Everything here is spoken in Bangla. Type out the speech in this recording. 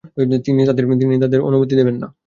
তিনি তাদের অনুমতি দিবেন না